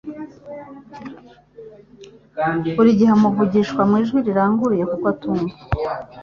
Buri gihe amuvugisha mu ijwi riranguruye kuko atumva